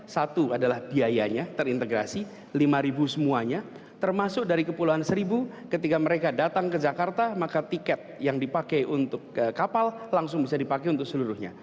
satu adalah biayanya terintegrasi lima ribu semuanya termasuk dari kepulauan seribu ketika mereka datang ke jakarta maka tiket yang dipakai untuk kapal langsung bisa dipakai untuk seluruhnya